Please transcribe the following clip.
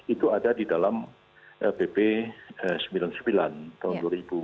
itu ada di dalam pp sembilan puluh sembilan tahun dua ribu dua